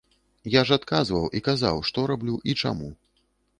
Я ж адказваў і казаў, што раблю і чаму.